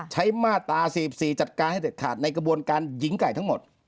มาตรา๔๔จัดการให้เด็ดขาดในกระบวนการหญิงไก่ทั้งหมด